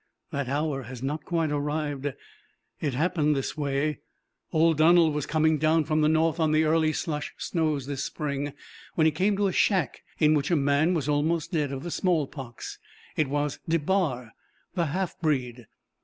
That hour has not quite arrived. It happened this way: Old Donald was coming down from the North on the early slush snows this spring when he came to a shack in which a man was almost dead of the smallpox. It was DeBar, the half breed.